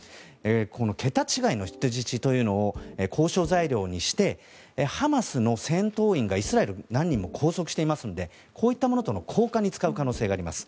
この桁違いの人質というのを交渉材料にしてハマスの戦闘員がイスラエル何人も拘束していますのでこういったものとの交換に使う可能性があります。